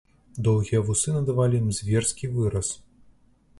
Доўгія вусы надавалі ім зверскі выраз.